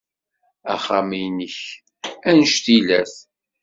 Axxam-nnek anect ila-t.